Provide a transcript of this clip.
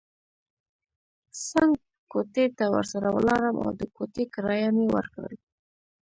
څنګ کوټې ته ورسره ولاړم او د کوټې کرایه مې ورکړل.